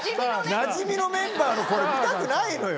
なじみのメンバーのこれ見たくないのよ。